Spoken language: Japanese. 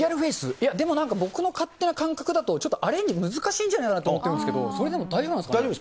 いや、僕の勝手な感覚だと、アレンジ難しいんじゃないかなと思うんですけど、それでも大丈夫なんですか？